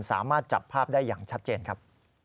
สามารถจับภาพได้อย่างชัดเจนครับ